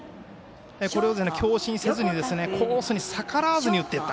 これを強振せずにコースに逆らわずに打っていった。